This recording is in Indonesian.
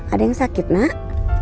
ada yang sakit nak